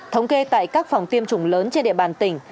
thống kê tại các phòng tiêm chủng lớn trên địa bàn tỉnh